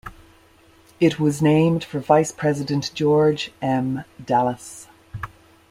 It was named for Vice President George M. Dallas.